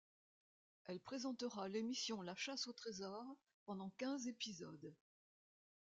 Elle présentera l’émission La Chasse aux trésors pendant quinze épisodes.